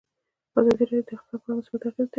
ازادي راډیو د اقتصاد په اړه مثبت اغېزې تشریح کړي.